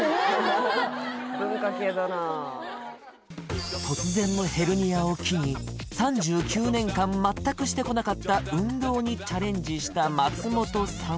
文化系だな突然のヘルニアを機に３９年間全くしてこなかった運動にチャレンジした松本さん